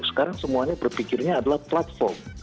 sekarang semuanya berpikirnya adalah platform